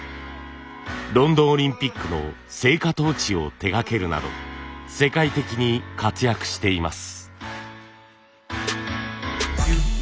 ロンドンオリンピックの聖火トーチを手がけるなど世界的に活躍しています。